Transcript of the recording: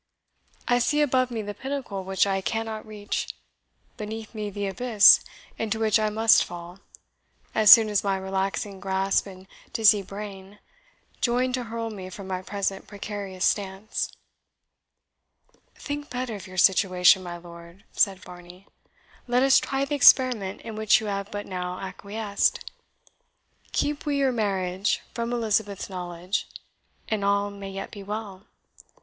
I see above me the pinnacle which I cannot reach beneath me the abyss into which I must fall, as soon as my relaxing grasp and dizzy brain join to hurl me from my present precarious stance." "Think better of your situation, my lord," said Varney; "let us try the experiment in which you have but now acquiesced. Keep we your marriage from Elizabeth's knowledge, and all may yet be well.